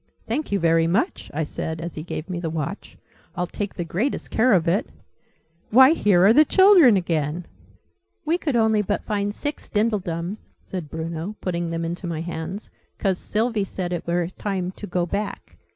"Thank you very much!" I said as he gave me the Watch. "I'll take the greatest care of it why, here are the children again!" "We could only but find six dindledums," said Bruno, putting them into my hands, "'cause Sylvie said it were time to go back.